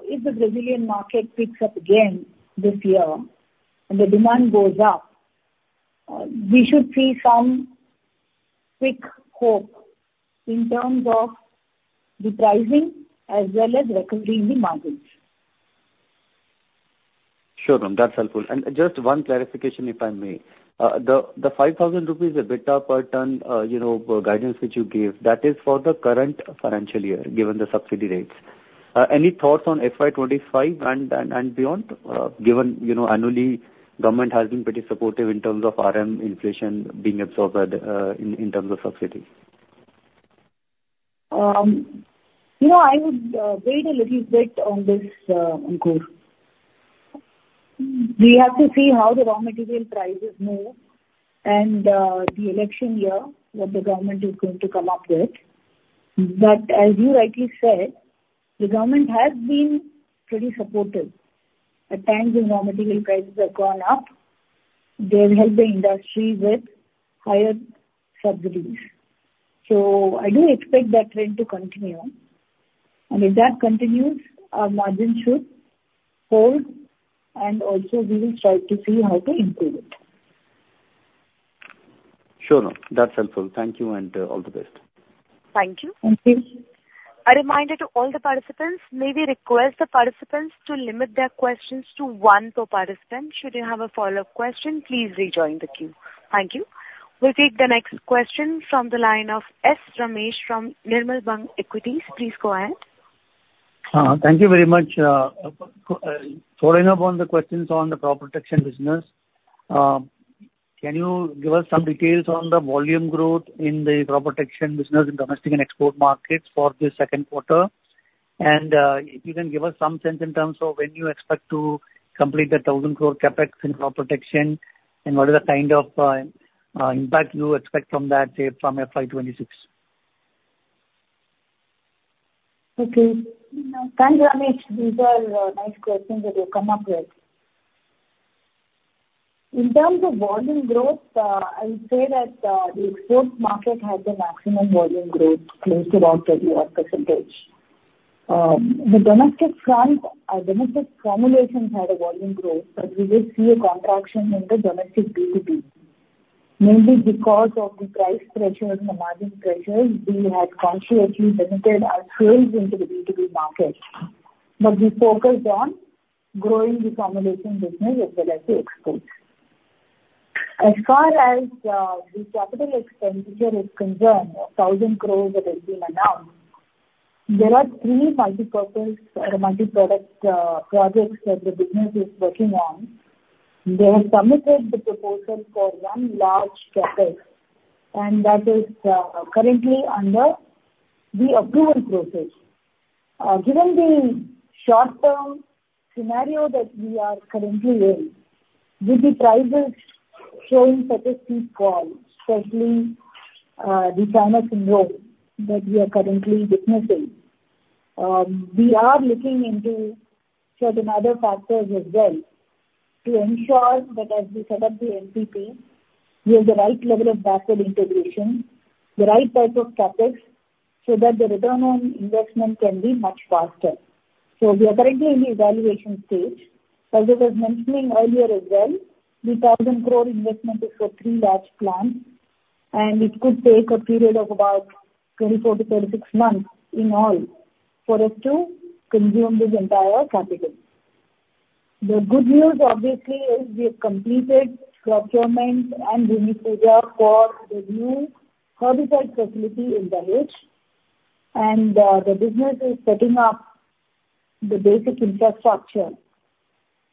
if the Brazilian market picks up again this year and the demand goes up, we should see some quick hope in terms of the pricing as well as recovering the margins. Sure, ma'am, that's helpful. And just one clarification, if I may. The 5,000 rupees EBITDA per ton, you know, guidance which you gave, that is for the current financial year, given the subsidy rates. Any thoughts on FY 2025 and beyond? Given, you know, annually, government has been pretty supportive in terms of RM inflation being absorbed, by the, in terms of subsidies. You know, I would wait a little bit on this, Ankur. We have to see how the raw material prices move and the election year, what the government is going to come up with. But as you rightly said, the government has been pretty supportive. At times, the raw material prices have gone up, they've helped the industry with higher subsidies. So I do expect that trend to continue. And if that continues, our margin should hold, and also we will try to see how to improve it. Sure, ma'am. That's helpful. Thank you, and all the best. Thank you. Thank you. A reminder to all the participants, may we request the participants to limit their questions to one per participant. Should you have a follow-up question, please rejoin the queue. Thank you. We'll take the next question from the line of S. Ramesh from Nirmal Bang Equities. Please go ahead. Thank you very much. Following up on the questions on the crop protection business, can you give us some details on the volume growth in the crop protection business in domestic and export markets for the second quarter? And, even give us some sense in terms of when you expect to complete the 1,000 crore CapEx in crop protection, and what is the kind of impact you expect from that, say, from FY 2026? Okay. Thanks, Ramesh. These are nice questions that you've come up with. In terms of volume growth, I'll say that the export market had the maximum volume growth, close to about 30-odd%. The domestic front, our domestic formulations had a volume growth, but we will see a contraction in the domestic B2B. Mainly because of the price pressures and the margin pressures, we had consciously limited our sales into the B2B market, but we focused on growing the formulation business as well as the exports. As far as the capital expenditure is concerned, 1,000 crore has been announced. There are three multipurpose or multiproduct projects that the business is working on. They have submitted the proposal for one large CapEx, and that is currently under the approval process. Given the short-term scenario that we are currently in, with the prices showing steep fall, especially, the Chinese role that we are currently witnessing, we are looking into certain other factors as well to ensure that as we set up the MPP, we have the right level of backward integration, the right type of CapEx, so that the return on investment can be much faster. So we are currently in the evaluation stage. As I was mentioning earlier as well, the 1,000 crore investment is for three large plants, and it could take a period of about 24-36 months in all, for us to consume this entire capital. The good news, obviously, is we have completed procurement and due diligence for the new herbicide facility in Dahej, and, the business is setting up the basic infrastructure.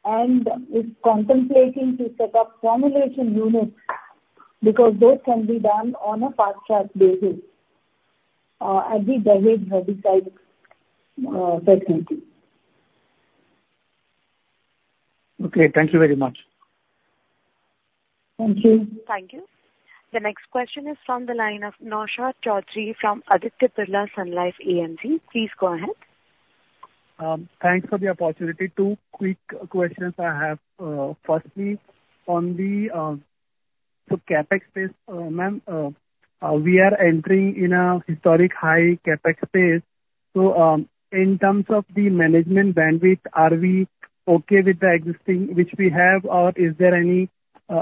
It's contemplating to set up formulation units, because those can be done on a fast-track basis, at the Dahej herbicide facility. Okay, thank you very much. Thank you. Thank you. The next question is from the line of Naushad Chaudhary from Aditya Birla Sun Life AMC. Please go ahead. Thanks for the opportunity. Two quick questions I have. Firstly, on the CapEx space, ma'am, we are entering in a historic high CapEx space. So, in terms of the management bandwidth, are we okay with the existing which we have, or is there any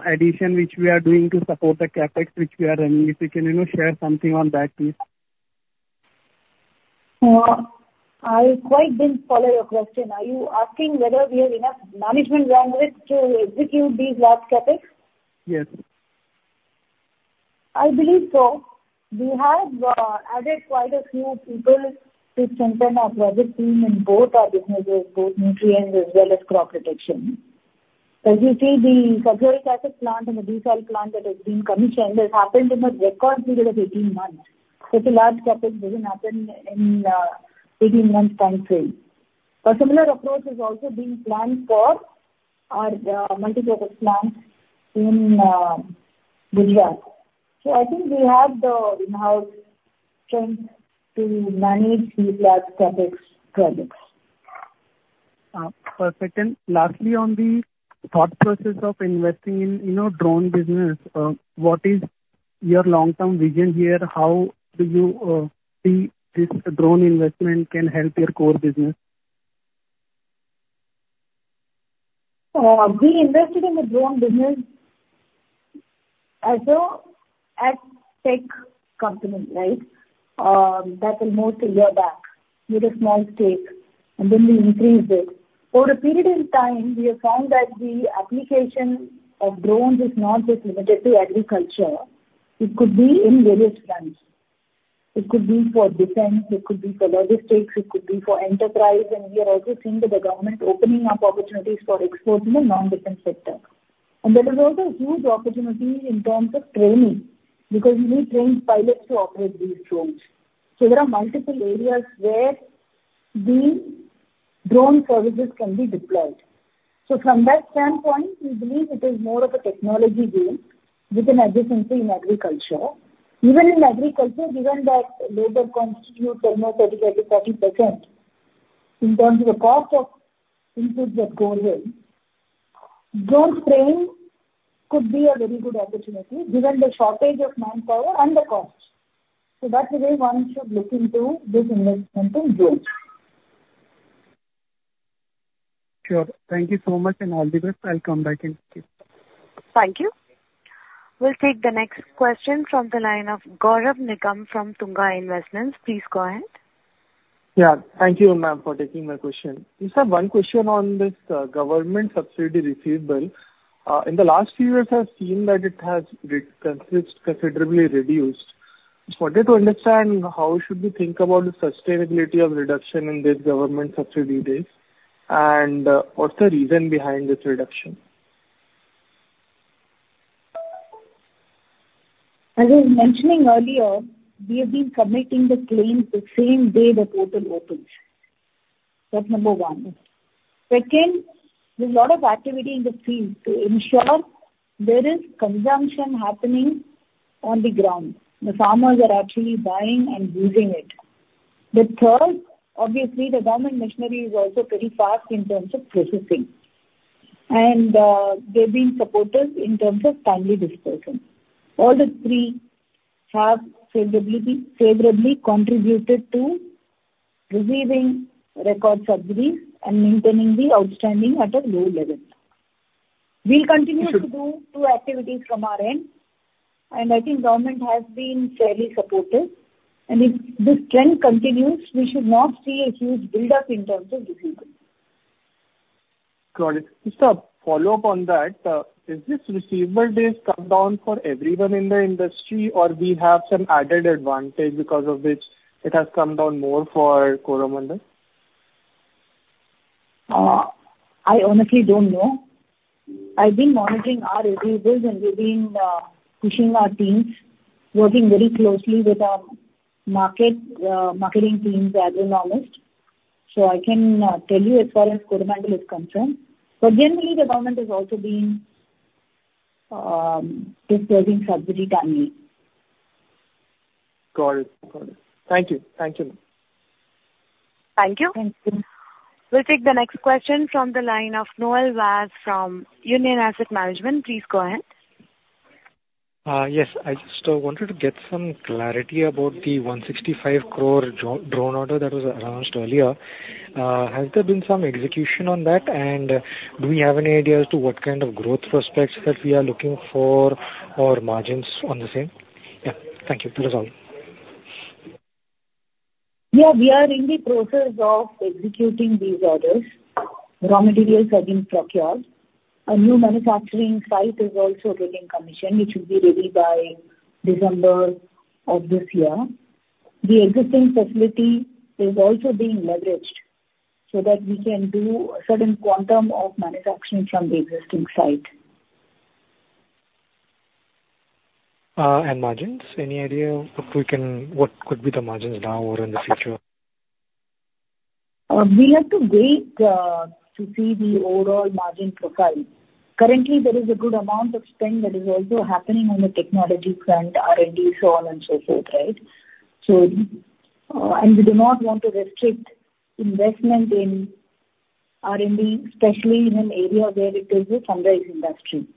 addition which we are doing to support the CapEx which we are running? If you can, you know, share something on that, please. I quite didn't follow your question. Are you asking whether we have enough management bandwidth to execute these large CapEx? Yes. I believe so. We have added quite a few people to strengthen our project team in both our businesses, both nutrients as well as crop protection. As you see, the sulphuric acid plant and the desal plant that has been commissioned, it happened in a record period of 18 months. Such a large CapEx doesn't happen in 18 months time frame. A similar approach is also being planned for our multipurpose plant in Gujarat. So I think we have the in-house strength to manage the large CapEx projects. Perfect. Thank you. Lastly, on the thought process of investing in, you know, drone business, what is your long-term vision here? How do you see this drone investment can help your core business? We invested in the drone business as a tech company, right? That was more than a year back, with a small stake, and then we increased it. Over a period in time, we have found that the application of drones is not just limited to agriculture. It could be in various fronts. It could be for defense, it could be for logistics, it could be for enterprise, and we are also seeing the government opening up opportunities for exports in the non-defense sector. And there is also a huge opportunity in terms of training, because you need trained pilots to operate these drones. So there are multiple areas where the drone services can be deployed. So from that standpoint, we believe it is more of a technology deal with an adjacency in agriculture. Even in agriculture, given that labor constitutes almost 30%-40%, in terms of the cost of inputs that go in, drone spraying could be a very good opportunity, given the shortage of manpower and the cost. So that's the way one should look into this investment in drones. Sure. Thank you so much, and all the best. I'll come back in. Thank you. We'll take the next question from the line of Gaurav Nigam from Tunga Investments. Please go ahead. Yeah. Thank you, ma'am, for taking my question. Just have one question on this, government subsidy receivable. In the last few years, I've seen that it has considerably reduced. Just wanted to understand, how should we think about the sustainability of reduction in this government subsidy days, and, what's the reason behind this reduction? As I was mentioning earlier, we have been submitting the claims the same day the portal opens. That's number one. Second, there's a lot of activity in the field to ensure there is consumption happening on the ground. The farmers are actually buying and using it. The third, obviously, the government machinery is also pretty fast in terms of processing. And, they've been supportive in terms of timely disbursement. All the three have favorably, favorably contributed to receiving record subsidies and maintaining the outstanding at a low level. We'll continue to do two activities from our end, and I think government has been fairly supportive. And if this trend continues, we should not see a huge buildup in terms of receivables. Got it. Just a follow-up on that, has this receivable days come down for everyone in the industry, or we have some added advantage because of which it has come down more for Coromandel? I honestly don't know. I've been monitoring our receivables, and we've been pushing our teams, working very closely with our marketing teams and the government. So I can tell you as far as Coromandel is concerned, but generally, the government has also been disbursing subsidy timely. Got it. Got it. Thank you. Thank you, ma'am. Thank you. Thank you. We'll take the next question from the line of Noel Vaz from Union Asset Management. Please go ahead. Yes. I just wanted to get some clarity about the 165 crore drone order that was announced earlier. Has there been some execution on that? And do we have any idea as to what kind of growth prospects that we are looking for or margins on the same? Yeah, thank you. That is all. Yeah, we are in the process of executing these orders. Raw materials have been procured. A new manufacturing site is also getting commissioned, which will be ready by December of this year. The existing facility is also being leveraged so that we can do a certain quantum of manufacturing from the existing site. Margins, any idea if we can? What could be the margins now or in the future? We have to wait to see the overall margin profile. Currently, there is a good amount of spend that is also happening on the technology front, R&D, so on and so forth, right? So, and we do not want to restrict investment in R&D, especially in an area where it is a sunrise industry.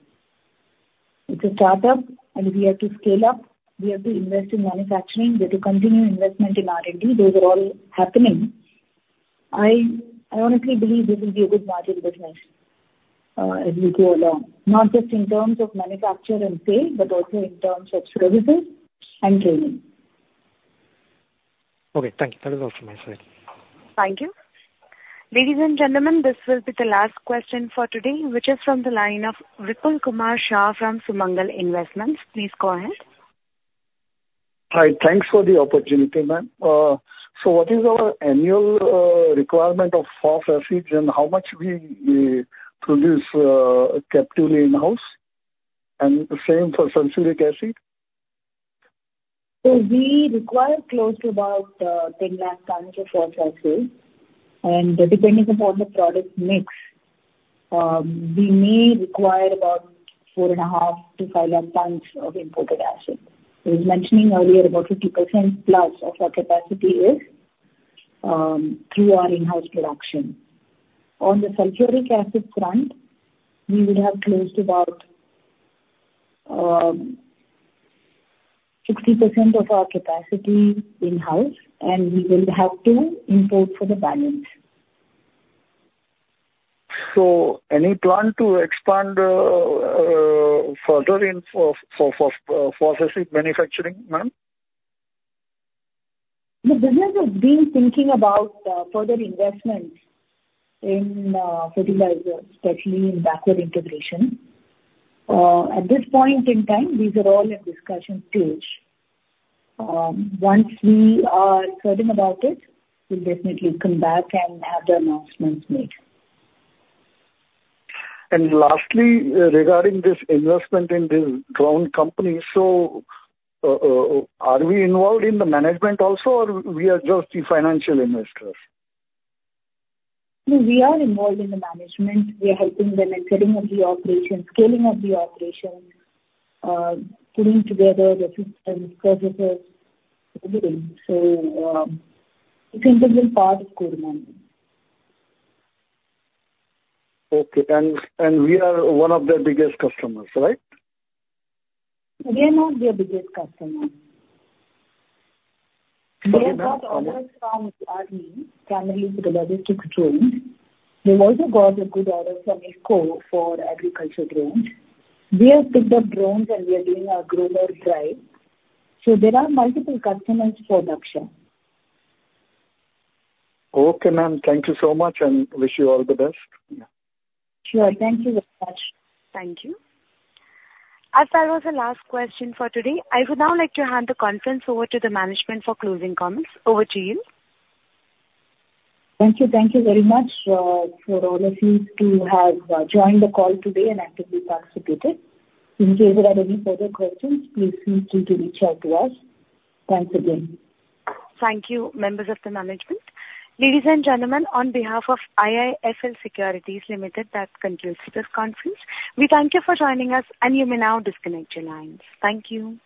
It's a startup, and we have to scale up. We have to invest in manufacturing. We have to continue investment in R&D. Those are all happening. I, I honestly believe this will be a good margin business, as we go along, not just in terms of manufacture and sale, but also in terms of services and training. Okay, thank you. That is all from my side. Thank you. Ladies and gentlemen, this will be the last question for today, which is from the line of Vipul Kumar Shah from Sumangal Investments. Please go ahead. Hi, thanks for the opportunity, ma'am. So what is our annual requirement of phosphoric acid, and how much we produce capacity in-house, and the same for sulfuric acid? So we require close to about 10 lakh tons of phosphoric acid, and depending upon the product mix, we may require about 4.5-5 lakh tons of imported acid. I was mentioning earlier, about 50% plus of our capacity is through our in-house production. On the sulfuric acid front, we would have close to about 60% of our capacity in-house, and we will have to import for the balance. So, any plan to expand further in for phosphoric acid manufacturing, ma'am? The business has been thinking about further investments in fertilizers, especially in backward integration. At this point in time, these are all at discussion stage. Once we are certain about it, we'll definitely come back and have the announcements made. And lastly, regarding this investment in this drone company, so, are we involved in the management also, or we are just the financial investors? No, we are involved in the management. We are helping them in setting up the operation, scaling up the operation, putting together the systems, processes, everything. So, it's and integral part of Coromandel. Okay. And we are one of their biggest customers, right? We are not their biggest customer. Sorry, ma'am. They have got orders from Army, primarily for the logistics drones. We've also got a good order from IFFCO for agriculture drones. We have picked up drones, and we are doing a Gromor Drive. So there are multiple customers for Dhaksha. Okay, ma'am. Thank you so much, and wish you all the best. Sure. Thank you, Vipul. Thank you. As that was the last question for today, I would now like to hand the conference over to the management for closing comments. Over to you. Thank you. Thank you very much, for all of you who have, joined the call today and actively participated. In case you have any further questions, please feel free to reach out to us. Thanks again. Thank you, members of the management. Ladies and gentlemen, on behalf of IIFL Securities Limited, that concludes this conference. We thank you for joining us, and you may now disconnect your lines. Thank you.